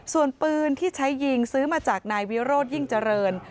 ส่วนปืนที่ใช้ยิงซื้อมาจากนายวิโรธยิ่งเจริญ